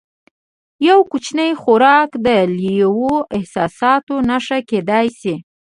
یو کوچنی خوراک د لویو احساساتو نښه کېدای شي.